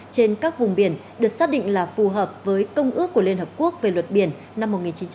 trên các vùng biển được xác định là phù hợp với công ước của liên hợp quốc về luật biển năm một nghìn chín trăm tám mươi hai